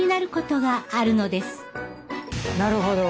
なるほど。